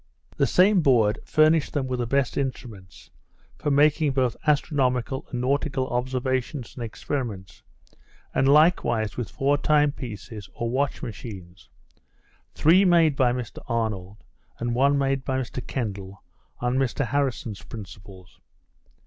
The same Board furnished them with the best instruments, for making both astronomical and nautical observations and experiments; and likewise with four time pieces, or watch machines; three made by Mr Arnold, and one made by Mr Kendal on Mr Harrison's principles.